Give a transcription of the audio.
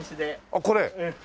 あっこれ？